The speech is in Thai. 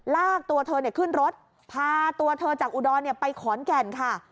ลากตัวเธอขึ้นรถพาตัวเธอจากอุดรไปขอนแก่นค่ะ